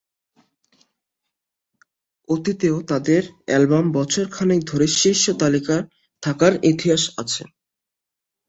অতীতেও তাদের অ্যালবাম বছর খানেক ধরে শীর্ষ তালিকায় থাকার ইতিহাস আছে।